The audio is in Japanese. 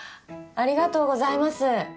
ありがとうございます。